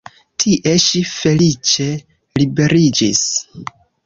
Tie ŝi feliĉe liberiĝis.